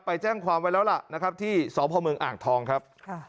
ไปแจ้งความไว้แล้วล่ะนะครับที่สพเมืองอ่างทองครับ